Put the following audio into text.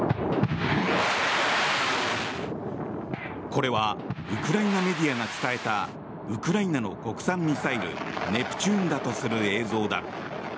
これはウクライナメディアが伝えたウクライナの国産ミサイルネプチューンだとする映像だ。